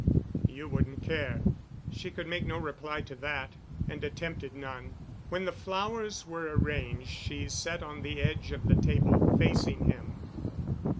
"You wouldn't care." She could make no reply to that, and attempted none. When the flowers were arranged she sat on the edge of the table facing him.